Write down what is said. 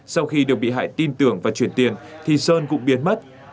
sau khi được bị hại tin tưởng và chuyển tiền thì sơn cũng biến mất